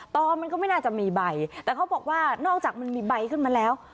อมันก็ไม่น่าจะมีใบแต่เขาบอกว่านอกจากมันมีใบขึ้นมาแล้ว